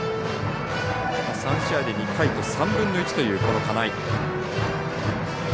３試合で２回と３分の１という金井。